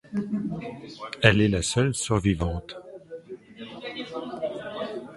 Elle est la seule survivante.